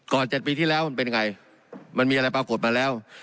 ก่อนเจ็ดปีที่แล้วมันเป็นยังไงมันมีอะไรปรากฏมาแล้ว